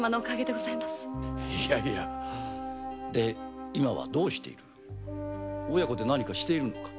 いやいやで今はどうしている母娘で何かしているのか？